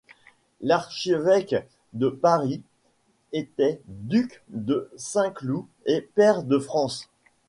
L'archevêque de Paris était duc de Saint-Cloud et pair de France.